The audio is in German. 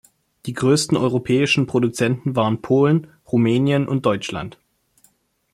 Die größten europäischen Produzenten waren Polen, Rumänien und Deutschland.